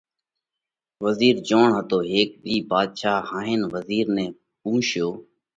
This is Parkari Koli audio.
وزِير جوئوڻ هتو۔ هيڪ ۮِي ڀاڌشا هاهينَ وزِير نئہ پونشيو: